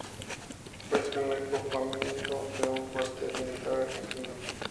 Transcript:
Fue el primer copamiento de un cuartel militar argentino.